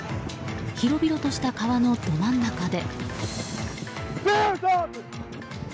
広々とした川のど真ん中で。